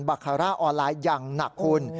บัคระออนไลน์อย่างหนักขุน